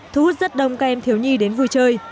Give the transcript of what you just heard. thu hút rất đông các em thiếu nhi đến vui chơi